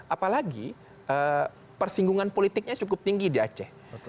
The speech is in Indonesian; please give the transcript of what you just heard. apalagi persinggungan politiknya cukup tinggi di aceh